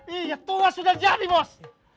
iya tua sudah jadi bos